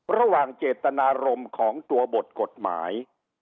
ระหว่างเจตนารมณ์ของตัวบทกฎหมาย